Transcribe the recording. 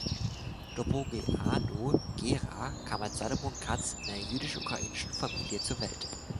Dobrogeanu-Gherea kam als Solomon Katz in einer jüdisch-ukrainischen Familie zur Welt.